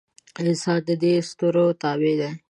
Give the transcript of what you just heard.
انسان د دې اسطورو تابع دی.